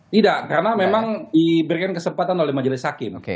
tidak karena memang diberikan kesempatan oleh majelis hakim